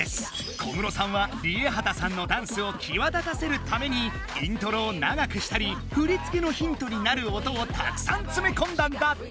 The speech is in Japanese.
小室さんはＲＩＥＨＡＴＡさんのダンスをきわだたせるためにイントロを長くしたり振り付けのヒントになる音をたくさんつめこんだんだって！